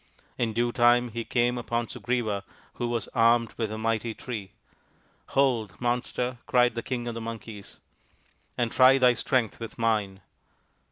In due time he came upon Sugriva, who was armed with a mighty tree. " Hold, Monster," cried the King of the Monkeys, " and try thy strength with mine."